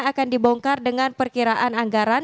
akan dibongkar dengan perkiraan anggaran